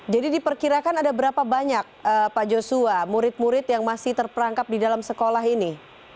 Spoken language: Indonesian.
jadi perkirakan ada berapa banyak pak joshua murid murid yang masih terperangkap di dalam sekolah ini